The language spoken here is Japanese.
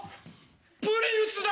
プリウスだ！